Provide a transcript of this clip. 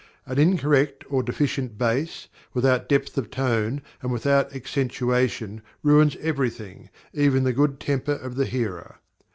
An incorrect or deficient bass, without depth of tone and without accentuation, ruins every thing, even the good temper of the hearer.